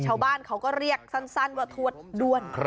ชาวบ้านเขาก็เรียกสั้นว่าทวดด้วน